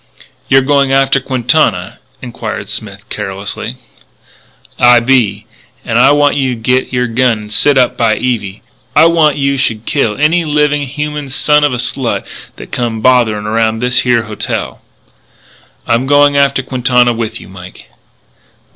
"You're going after Quintana?" inquired Smith, carelessly. "I be. And I want you should git your gun and set up by Evie. And I want you should kill any living human son of a slut that comes botherin' around this here hotel." "I'm going after Quintana with you, Mike."